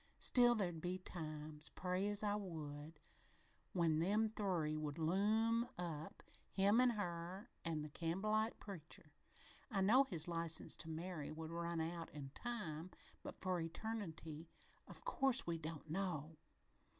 Still, there'd be times, pray as I would, when them three would loom up, him an' her an' the Campbellite preacher. I know his license to marry would run out in time, but for eternity, of course we don't know.